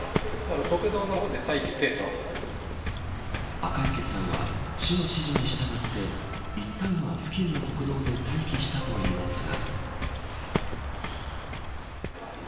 赤池さんは市の指示に従っていったんは付近の国道で待機したといいますが。